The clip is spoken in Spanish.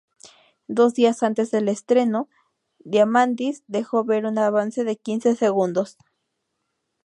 Dos días antes del estreno, Diamandis dejó ver un avance de quince segundos.